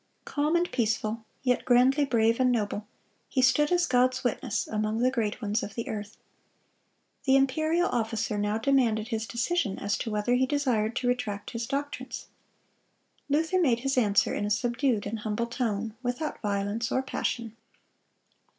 Calm and peaceful, yet grandly brave and noble, he stood as God's witness among the great ones of the earth. The imperial officer now demanded his decision as to whether he desired to retract his doctrines. Luther made his answer in a subdued and humble tone, without violence or passion.